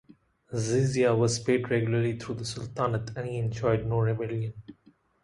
Jizya was paid regularly throughout the sultanate and he enjoyed no rebellion.